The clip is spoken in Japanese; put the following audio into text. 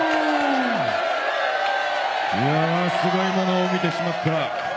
いやすごいものを見てしまった。